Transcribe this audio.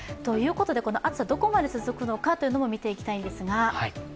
このあとどこまで続くのかも見ていきたいと思います。